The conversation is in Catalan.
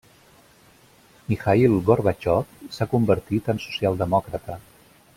Mikhaïl Gorbatxov s’ha convertit en socialdemòcrata.